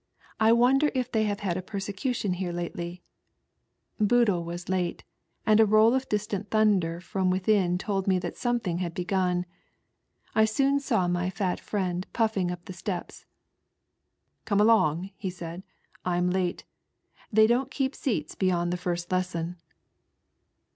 I wonder if they have had a persecution here lately." Boodlii was late, and a roll of distant thunder from within told me that something had I soon saw my fat friend puffing up the 'Come along," he said, "I'm late. They don't L keep seats heyond the first lesson."